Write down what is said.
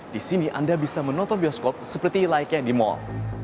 disini anda bisa menonton bioskop seperti like yang di mal